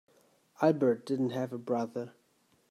Albert didn't have a brother.